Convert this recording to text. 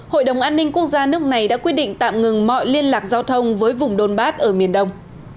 hội đồng an ninh quốc gia nước này đã quyết định tạm ngừng mọi liên lạc giao thông với vùng donbat ở miền đông